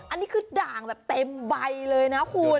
อันนี้คือด่างแบบเต็มใบเลยนะคุณ